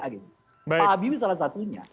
pak habibie salah satunya